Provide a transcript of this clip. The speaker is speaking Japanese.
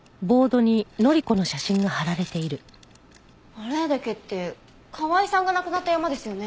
荒谷岳って河合さんが亡くなった山ですよね？